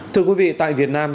thưa quý vị tại việt nam